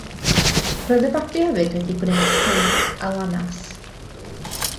Roedd y babi hefyd wedi gwneud cryn alanas.